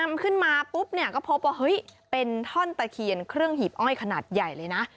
นำขึ้นมาปุ๊บเนี่ยก็พบว่าเฮ้ยเป็นท่อนตะเคียนเครื่องหีบอ้อยขนาดใหญ่เลยนะ